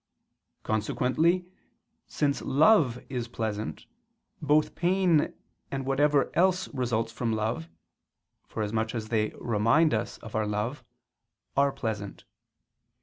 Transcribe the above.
Consequently, since love is pleasant, both pain and whatever else results from love, forasmuch as they remind us of our love, are pleasant.